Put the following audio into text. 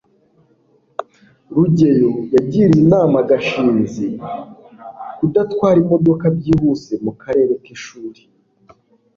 rugeyo yagiriye inama gashinzi kudatwara imodoka byihuse mu karere k'ishuri